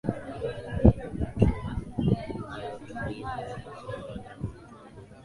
Mtu ni alo tulizo, asopenda utukutu